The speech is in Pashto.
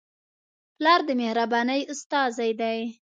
پلار د مهربانۍ استازی دی.